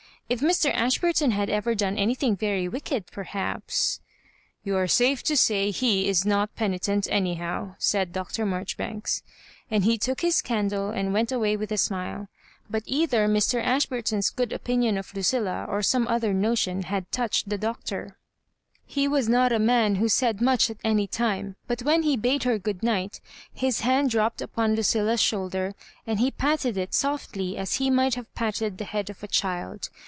If Mr. Ashburton had ever done anything very wicked, perhaps —^"" You are safe to say he is not penitent any how," said Dr. Marjoribanks, and ha took his candle and went away with a »nile. But either Mr. Ashburton's good opinion of Lucilla, or some other notion, had touched the Doctor. He was Digitized by VjOOQIC L46 MISS ICllRJORIBANES. not a man who Said much at any time, but when he bade her good night, his hand drooped upon LudUa's shoulder, %nd he patted it softly, as he might have patted the head of a child.